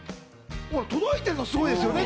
届いてるのがすごいですよね。